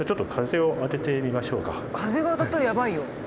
風が当たったらやばいよ。